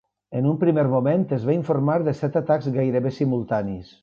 En un primer moment es va informar de set atacs gairebé simultanis.